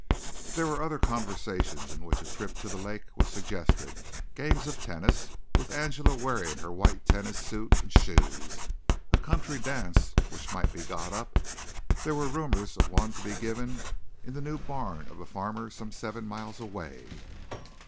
There were other conversations in which a trip to the lake was suggested, games of tennis, with Angela wearing her white tennis suit and shoes, a country dance which might be got up there were rumors of one to be given in the new barn of a farmer some seven miles away.